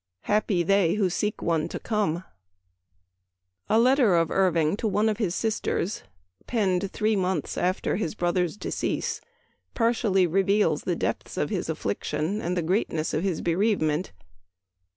Happy they who seek one to come ! A letter of Irving to one of his sisters, penned three months after his brother's decease, par tially reveals the depths of his affliction and the greatness of his bereavement.